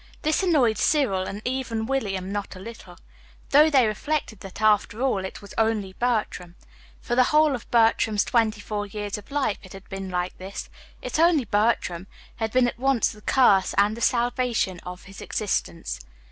This annoyed Cyril, and even William, not a little; though they reflected that, after all, it was "only Bertram." For the whole of Bertram's twenty four years of life it had been like this "It's only Bertram," had been at once the curse and the salvation of his existence.